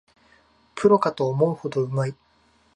プロかと思うほどうまい